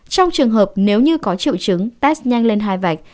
trong trường hợp nếu như có triệu chứng test nhanh lên hai vạch